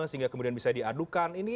sehingga kemudian bisa diadukan